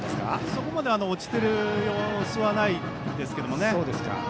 そこまで落ちている様子はないですけどね。